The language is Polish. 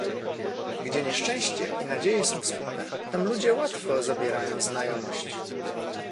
"Gdzie nieszczęście i nadzieje są wspólne, tam ludzie łatwo zabierają znajomość."